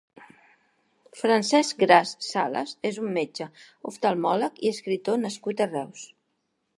Francesc Gras Salas és un metge oftalmòleg i escriptor nascut a Reus.